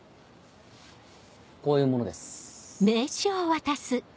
こういう者です。